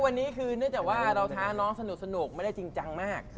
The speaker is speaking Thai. วันนี้คือเนื่องจากว่าเราท้าน้องสนุกไม่ได้จริงจังมาก